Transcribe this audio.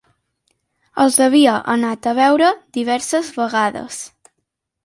Els havia anat a veure diverses vegades